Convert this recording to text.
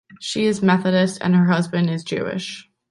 She is Methodist, and her husband is Jewish.